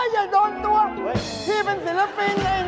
อย่าโดนตัวพี่เป็นศิลปินเอง